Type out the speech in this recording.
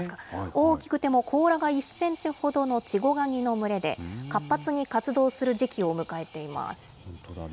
大きくても甲羅が１センチほどのチゴガニの群れで、活発に活動する時期を迎えています。